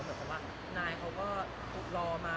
เพราะว่านายเขาก็รอมา